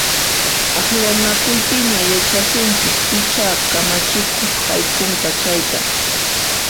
Akllanakuypiña yachasunchis picha kamachikuq haykunqa chayta!